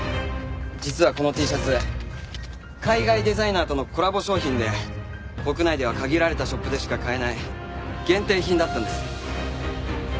実はこのＴシャツ海外デザイナーとのコラボ商品で国内では限られたショップでしか買えない限定品だったんです。